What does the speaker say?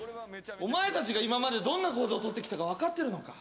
お前たちが今までどんな行動をとってきたのか分かってるのか。